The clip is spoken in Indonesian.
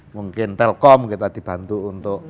mungkin telkom kita dibantu untuk